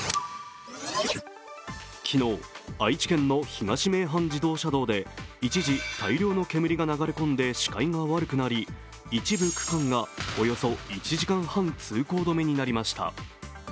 昨日、愛知県の東名阪自動車道で一時、大量の煙が流れ込んで視界が悪くなり一部区間がおよそ１時間半通行止めになりました。